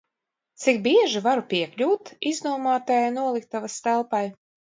Cik bieži varu piekļūt iznomātajai noliktavas telpai?